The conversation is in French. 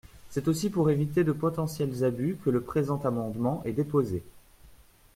C’est aussi pour éviter de potentiels abus que le présent amendement est déposé.